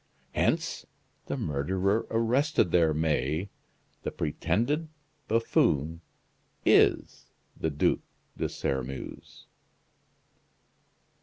Hence, the murderer arrested there, May, the pretended buffoon, is the Duc de Sairmeuse!"